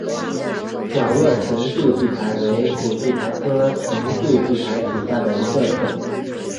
角萼唇柱苣苔为苦苣苔科唇柱苣苔属下的一个种。